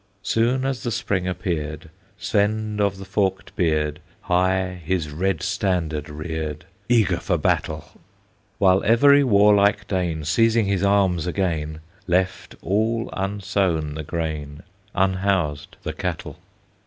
Soon as the Spring appeared, Svend of the Forked Beard High his red standard reared, Eager for battle; While every warlike Dane, Seizing his arms again, Left all unsown the grain, Unhoused the cattle.